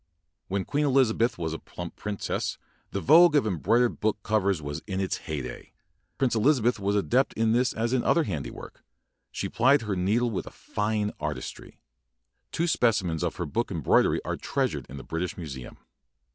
When Queen Elizabeth was a plump princess, the vogue of embroidered book covers was in its heyday. Prin cess Elizabeth was adept in this as in other handiwork. She plied her needle with a fine artistry. Two specimens of her book embroidery are treasured in the British Museum.